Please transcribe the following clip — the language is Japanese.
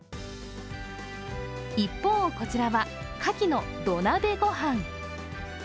一方、こちらはかきの土鍋ご飯。